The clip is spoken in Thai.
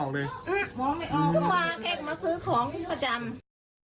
ไม่ออกเลยมาเพิ่งมาซื้อของพักผ่าจำ